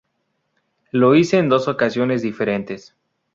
Lo hice en dos ocasiones diferentes.